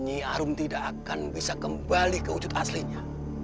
nyi arum tidak akan bisa kembali ke wujud aslinya